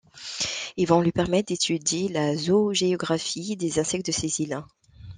Ils vont lui permettre d’étudier la zoogéographie des insectes de ces îles.